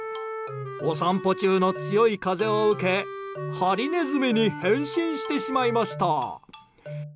お散歩中の強い風を受けハリネズミに変身してしまいました。